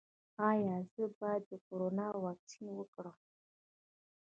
ایا زه باید د کرونا واکسین وکړم؟